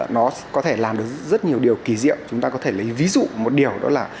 nó có thể làm được rất nhiều điều kỳ diệu chúng ta có thể lấy ví dụ một điều đó là